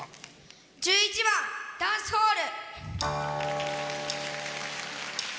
１１番「ダンスホール」。